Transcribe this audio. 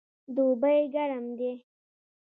دوبی ګرم دی